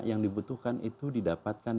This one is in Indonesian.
yang dibutuhkan itu didapatkan